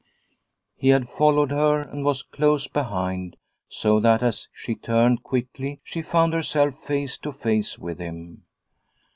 He had followed her and was close behind, so that as she turned quickly she found herself face to face with him.